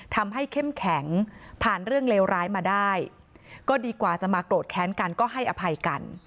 เข้มแข็งผ่านเรื่องเลวร้ายมาได้ก็ดีกว่าจะมาโกรธแค้นกันก็ให้อภัยกัน